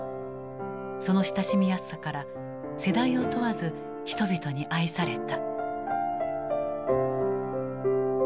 その親しみやすさから世代を問わず人々に愛された。